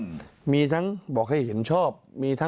ที่ไม่มีนิวบายในการแก้ไขมาตรา๑๑๒